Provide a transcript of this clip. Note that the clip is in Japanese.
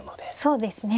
そうですね。